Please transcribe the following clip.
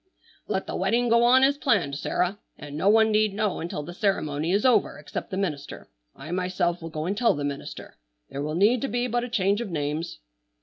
"Let the wedding go on as planned, Sarah, and no one need know until the ceremony is over except the minister. I myself will go and tell the minister. There will need to be but a change of names."